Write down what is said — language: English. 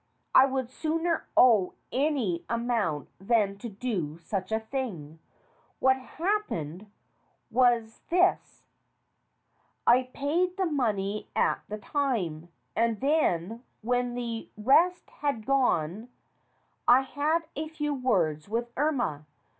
I would sooner owe any amount than do such a thing. What happened was this : I paid the money at the time, and then when the rest had gone I had a few words with Irma.